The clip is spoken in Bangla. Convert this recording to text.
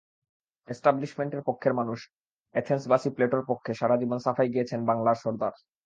এস্টাবলিশমেন্টের পক্ষের মানুষ অ্যাথেন্সবাসী প্লেটোর পক্ষে সারা জীবন সাফাই গেয়েছেন বাংলার সরদার।